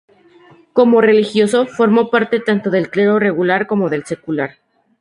Como religioso, formó parte tanto del clero regular como del secular.